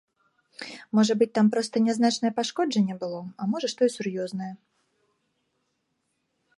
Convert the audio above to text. Можа быць там проста нязначнае пашкоджанне было, а можа што і сур'ёзнае.